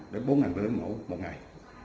bốn đến bốn mẫu mỗi ngày